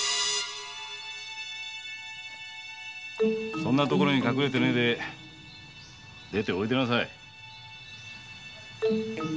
そんな所に隠れてねえで出ておいでなさい。